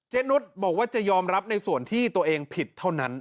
นุษย์บอกว่าจะยอมรับในส่วนที่ตัวเองผิดเท่านั้น